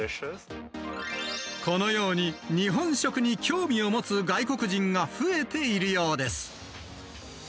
このように日本食に興味を持つ外国人が増えているようです。